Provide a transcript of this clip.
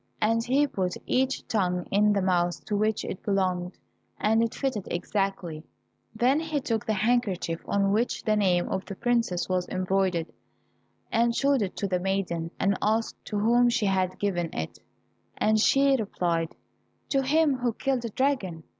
And he put each tongue in the mouth to which it belonged, and it fitted exactly. Then he took the handkerchief on which the name of the princess was embroidered, and showed it to the maiden, and asked to whom she had given it, and she replied, "To him who killed the dragon."